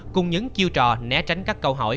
cùng những chiêu trò né tránh các câu hỏi